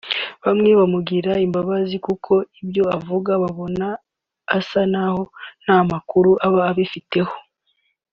Bamwe banamugirira imbabazi kuko ibyo avuga ubona asa naho nta makuru aba abifiteho